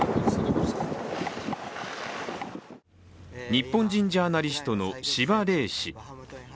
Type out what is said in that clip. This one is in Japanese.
日本人ジャーナリストの志葉玲氏。